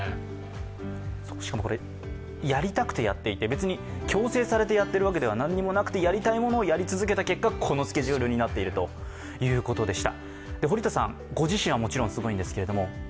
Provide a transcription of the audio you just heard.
しかもこれ、やりたくてやっていて別に強制されてやっているわけではなんでもなくてやりたいものをやり続けた結果、このスケジュールになっているということでした。